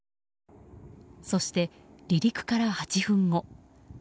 そして、離陸から８分後。